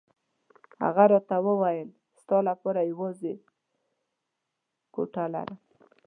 هغه راته وویل ستا لپاره یوازې کوټه لرم.